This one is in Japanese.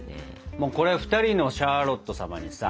もうこれ２人のシャーロット様にさ。